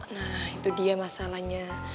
nah itu dia masalahnya